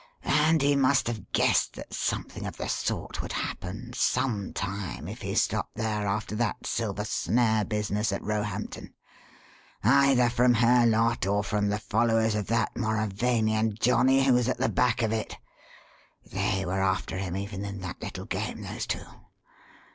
And he must have guessed that something of the sort would happen some time if he stopped there after that Silver Snare business at Roehampton either from her lot or from the followers of that Mauravanian johnnie who was at the back of it. They were after him even in that little game, those two.